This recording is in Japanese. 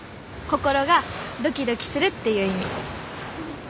心がドキドキするっていう意味。